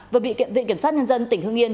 và bị viện kiểm sát nhân dân tỉnh hương yên